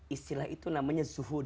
istilah itu namanya zuhud